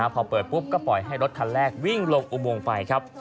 พอเปิดปุ๊บก็ปล่อยให้รถคันแรกวิ่งลงอุโมงไปครับ